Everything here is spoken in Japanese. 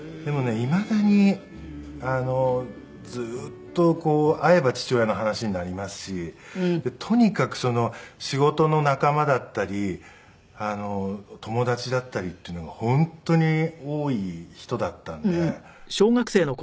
いまだにずっとこう会えば父親の話になりますしとにかく仕事の仲間だったり友達だったりっていうのが本当に多い人だったんで。